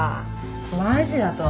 マジだとは。